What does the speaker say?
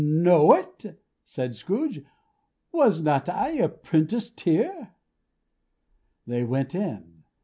"Know it!" said Scrooge. "Was not I apprenticed here!" They went in.